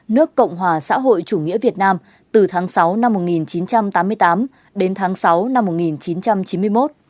nước cộng hòa xã hội chủ nghĩa việt nam từ tháng sáu năm một nghìn chín trăm tám mươi tám đến tháng sáu năm một nghìn chín trăm chín mươi một